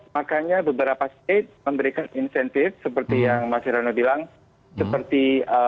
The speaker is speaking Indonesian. makanya beberapa state memberikan insentif seperti yang mas hirono bilang seperti